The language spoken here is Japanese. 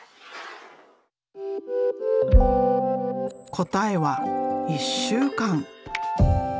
答えは１週間。